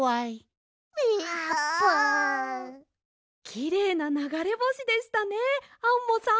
きれいなながれぼしでしたねアンモさん。